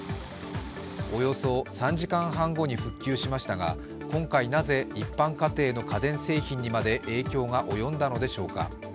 およそ３時間半後に復旧しましたが、今回、なぜ一般家庭の家電製品にまで影響が及んだのでしょうか？